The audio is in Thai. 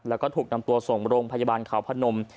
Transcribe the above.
แล้วก็ถูกนำตัวส่งโรงพยาบาลเขาพนม